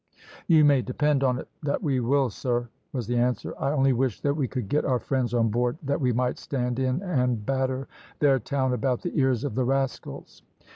"You may depend on it that we will, sir," was the answer. "I only wish that we could get our friends on board, that we might stand in and batter their town about the ears of the rascals."